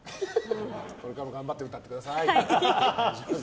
これからも頑張って歌ってください。